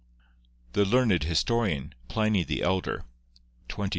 The learned historian, Pliny the elder (23 79 a.